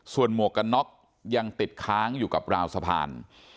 ส่วนหมวกกันน็อกยังติดค้างอยู่กับราวสะพาน